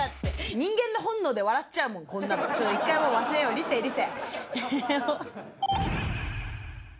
人間の本能で笑っちゃうもん、こんなの、一回、忘れよう、理性、理性。